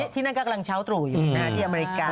ที่นั่นก็กำลังเช้าตรู่อยู่ที่อเมริกา